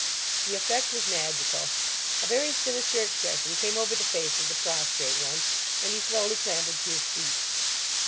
The effect was magical. A very sinister expression came over the face of the prostrate one, and he slowly clambered to his feet.